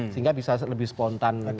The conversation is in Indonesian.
sehingga bisa lebih spontan